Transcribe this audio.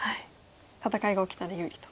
戦いが起きたら有利と。